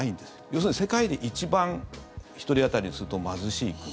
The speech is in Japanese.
要するに世界で一番１人当たりにすると貧しい国。